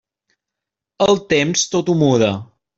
El temps, tot ho muda.